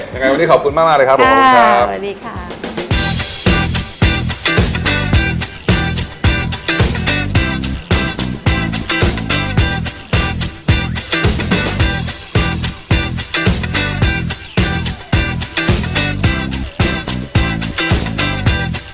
ยังไงวันนี้ขอบคุณมากเลยครับผมขอบคุณครับสวัสดีค่ะ